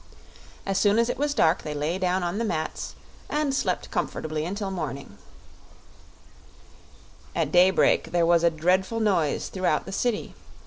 As soon as it was dark they lay down on the mats and slept comfortably until morning. At daybreak there was a dreadful noise throughout the city.